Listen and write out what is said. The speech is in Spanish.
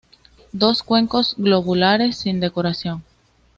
Dos cuencos globulares sin decoración.